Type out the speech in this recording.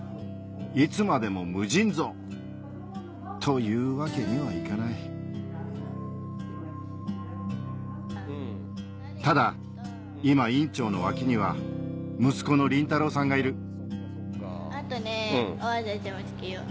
いつまでも無尽蔵というわけにはいかないただ今院長の脇には息子の林太郎さんがいるあとねぇ好きよ。